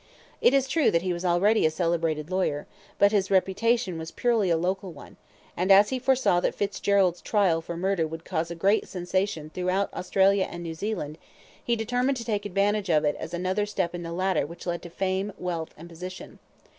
It is true that he was already a celebrated lawyer, but his reputation was purely a local one, and as he foresaw that Fitzgerald's trial for murder would cause a great sensation throughout Australia and New Zealand, he determined to take advantage of it as another step in the ladder which led to fame, wealth, and position.